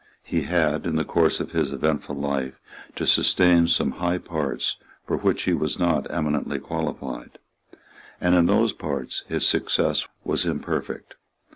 He had, in the course of his eventful life, to sustain some high parts for which he was not eminently qualified; and, in those parts, his success was imperfect.